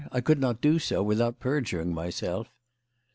I could not do so without perjuring myself."